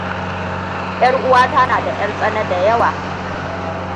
'Ƴar uwata na da ʻyartsana da yawa.